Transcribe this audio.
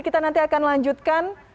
kita nanti akan lanjutkan